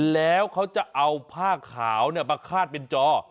แล้วเขาจะเอาผ้าขาวมาคาดเป็นจอ